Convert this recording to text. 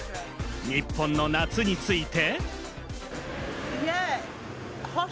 日本の夏について。